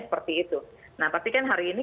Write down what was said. seperti itu nah tapi kan hari ini